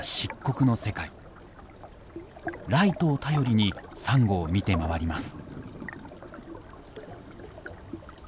ライトを頼りにサンゴを見て回ります。